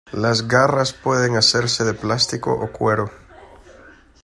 Las garras pueden hacerse de plástico o cuero.